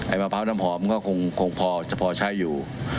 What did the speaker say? มะพร้าวน้ำหอมก็คงพอจะพอใช้อยู่